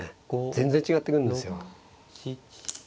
全然違ってくるんですよ。